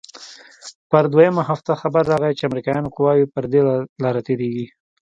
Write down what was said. پر دويمه هفته خبر راغى چې امريکايانو قواوې پر دې لاره تېريږي.